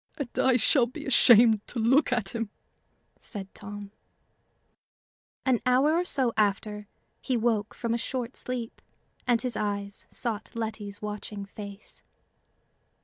"And I shall be ashamed to look at him!" said Tom. An hour or so after, he woke from a short sleep, and his eyes sought Letty's watching face.